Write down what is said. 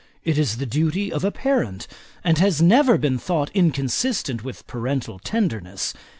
It is the duty of a parent; and has never been thought inconsistent with parental tenderness.